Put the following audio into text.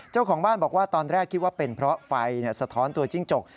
เจ้าของบ้านบอกว่าตอนแรกคิดว่าเป็นเพราะไฟสะท้อนตัวจิ้งจก